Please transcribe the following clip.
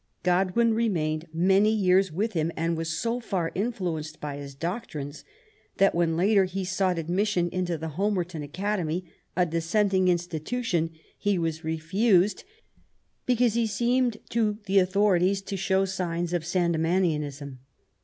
*' Godwin remained some years with him, and was so far influenced by his doctrines, that when, later, he sought admission into Homerton Academy, a Dissenting institution, he was refused^ \^ 170 MABY W0LL8T0NEGBAFT GODWIN. because he seemed to the authorities to show signs of Sandemanianism.